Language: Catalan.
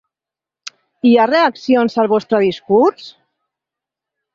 Hi ha reaccions al vostre discurs?